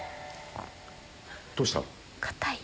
どうした？